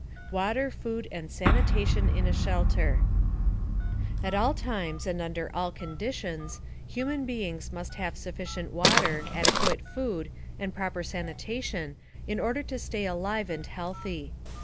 WATER, FOOD, AND SANITATION IN A SHELTER At all times and under all conditions, human beings must have sufficient water, adequate food and proper sanitation in order to stay alive and healthy.